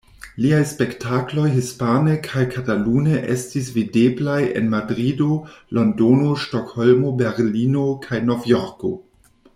Liaj spektakloj hispane kaj katalune estis videblaj en Madrido, Londono, Stokholmo, Berlino kaj Novjorko.